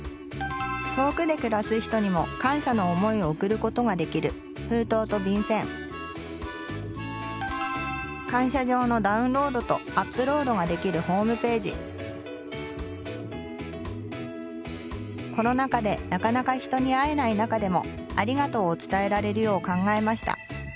遠くで暮らす人にも感謝の思いを贈ることができる感謝状のダウンロードとアップロードができるコロナ禍でなかなか人に会えない中でもありがとうを伝えられるよう考えました。